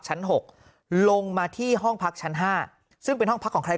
ชั้น๖ลงมาที่ห้องพักชั้น๕ซึ่งเป็นห้องพักของใคร